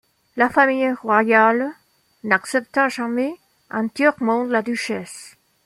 La famille royale n'accepta jamais entièrement la duchesse.